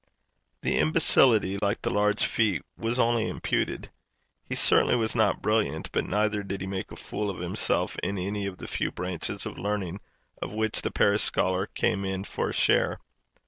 The imbecility, like the large feet, was only imputed. He certainly was not brilliant, but neither did he make a fool of himself in any of the few branches of learning of which the parish scholar came in for a share.